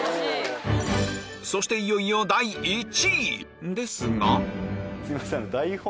そしていよいよ第１位ですが台本